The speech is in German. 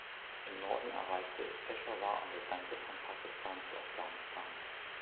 Im Norden erreichte es Peschawar an der Grenze von Pakistan zu Afghanistan.